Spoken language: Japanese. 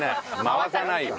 回さないよ。